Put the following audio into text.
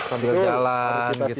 sambil jalan gitu